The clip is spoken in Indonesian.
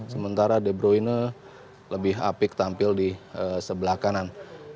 sementara de bruyne lebih apik tampil di sebelah kanan